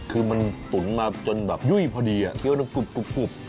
คือมันตุ๋นมาจนแบบยุ่ยพอดีอ่ะเคี้ยวน้ำกรุบกรุบกรุบ